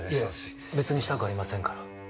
いえ別にしたくありませんから。